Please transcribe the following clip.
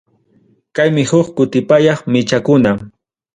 Kaymi huk kutipayaq michakuna.